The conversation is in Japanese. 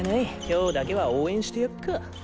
今日だけは応援してやっか。